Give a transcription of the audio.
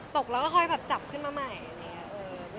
ตกแล้วก็ค่อยแบบจับขึ้นมาใหม่